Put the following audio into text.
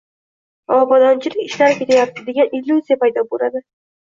obodonchilik ishlari ketayapti degan illyuziya paydo bo‘ladi.